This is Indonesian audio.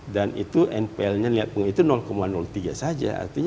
dan itu npl nya lihat pun itu tiga saja